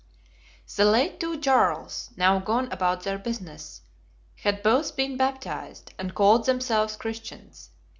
The late two Jarls, now gone about their business, had both been baptized, and called themselves Christians.